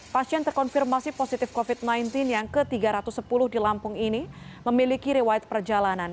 pasien terkonfirmasi positif covid sembilan belas yang ke tiga ratus sepuluh di lampung ini memiliki riwayat perjalanan